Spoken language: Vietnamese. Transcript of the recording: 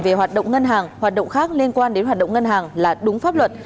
về hoạt động ngân hàng hoạt động khác liên quan đến hoạt động ngân hàng là đúng pháp luật